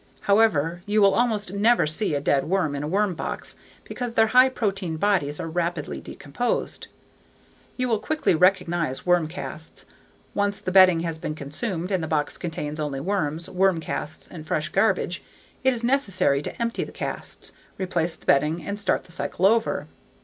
However, you will almost never see a dead worm in a worm box because their high protein bodies are rapidly decomposed. You will quickly recognize worm casts. Once the bedding has been consumed and the box contains only worms, worm casts, and fresh garbage it is necessary to empty the casts, replace the bedding, and start the cycle over.